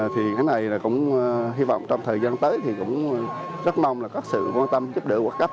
thì cái này là cũng hy vọng trong thời gian tới thì cũng rất mong là có sự quan tâm giúp đỡ của cấp